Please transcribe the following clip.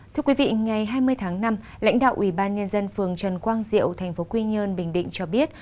thưa quý vị ngày hai mươi tháng năm lãnh đạo ubnd phường trần quang diệu tp quy nhơn bình định cho biết